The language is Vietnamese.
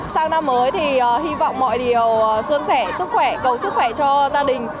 sang năm mới thì hy vọng mọi điều xuân sẻ sức khỏe cầu sức khỏe cho gia đình